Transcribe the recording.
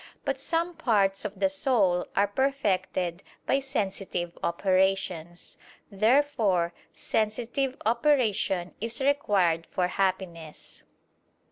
But some parts of the soul are perfected by sensitive operations. Therefore sensitive operation is required for happiness.